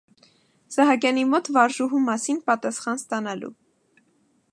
Սահակյանի մոտ վարժուհու մասին պատասխան ստանալու: